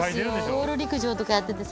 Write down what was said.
オール陸上とかやってて。